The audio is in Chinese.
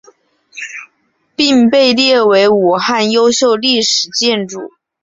并被列为武汉优秀历史建筑。